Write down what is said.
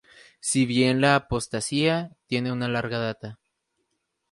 Si bien la apostasía tiene una larga data.